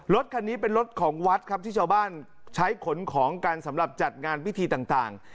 รถคันนี้เป็นรถของวัดครับที่ชาวบ้านใช้ขนของกันสำหรับจัดงานพิธีต่าง